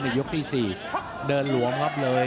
ยกที่๔เดินหลวมครับเลย